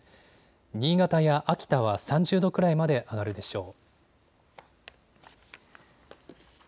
新潟や秋田は３０度くらいまで上がるでしょう。